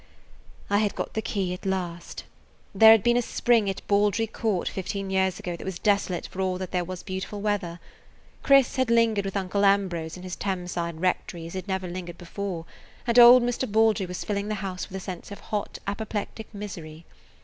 I had got the key at last. There had been a spring at Baldry Court fifteen years ago that was desolate for all that there was beautiful weather. Chris had lingered with Uncle Ambrose in his Thames side rectory as he had never lingered before, and old Mr. Baldry was filling the house with a sense of hot, apoplectic misery.